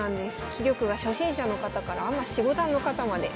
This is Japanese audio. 棋力が初心者の方からアマ四五段の方まで。